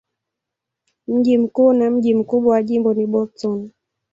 Mji mkuu na mji mkubwa wa jimbo ni Boston.